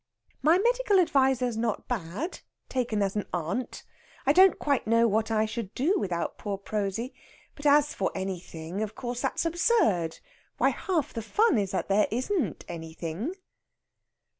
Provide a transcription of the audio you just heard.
"My medical adviser's not bad, taken as an aunt. I don't quite know what I should do without poor Prosy. But as for anything, of course that's absurd. Why, half the fun is that there isn't anything!"